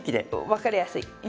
分かりやすい。